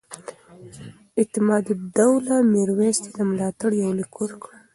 اعتمادالدولة میرویس ته د ملاتړ یو لیک ورکړ.